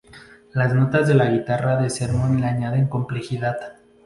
Las notas de la guitarra de Sermon le añaden complejidad.